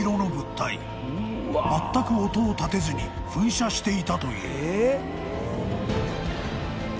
［まったく音を立てずに噴射していたという］